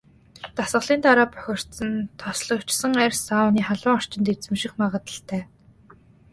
Дасгалын дараа бохирдсон, тослогжсон арьс сауны халуун орчинд эмзэгших магадлалтай.